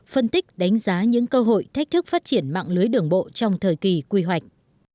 phân tích đánh giá những cơ hội thách thức phát triển mạng lưới đường bộ trong thời kỳ quy hoạch